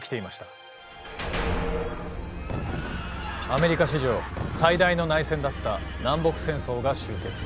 アメリカ史上最大の内戦だった南北戦争が終結。